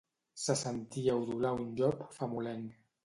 Se sentia udolar un llop famolenc.